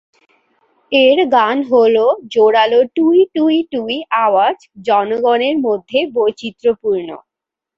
এর গান হল জোরালো টুঁই-টুঁই-টুঁই আওয়াজ জনগণের মধ্যে বৈচিত্র্যপূর্ণ।